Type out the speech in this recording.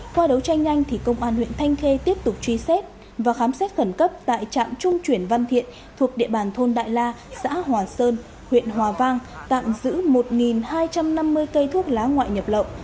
qua đấu tranh nhanh thì công an huyện thanh khê tiếp tục truy xét và khám xét khẩn cấp tại trạm trung chuyển văn thiện thuộc địa bàn thôn đại la xã hòa sơn huyện hòa vang tạm giữ một hai trăm năm mươi cây thuốc lá ngoại nhập lậu